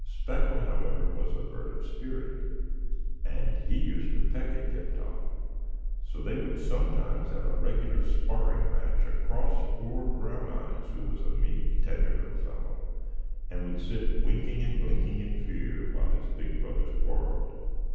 Speckle, however, was a bird of spirit, and he used to peck at Tip Top; so they would sometimes have a regular sparring match across poor Brown Eyes, who was a meek, tender little fellow, and would sit winking and blinking in fear while his big brothers quarrelled.